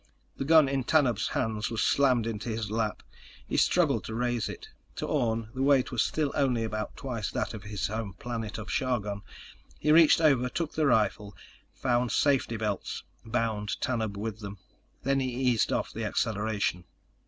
The gun in Tanub's hands was slammed into his lap. He struggled to raise it. To Orne, the weight was still only about twice that of his home planet of Chargon. He reached over, took the rifle, found safety belts, bound Tanub with them. Then he eased off the acceleration.